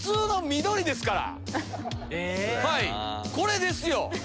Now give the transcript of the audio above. これですよ。